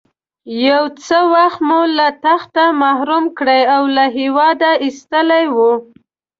یو څه وخت مو له تخته محروم کړی او له هېواده ایستلی وو.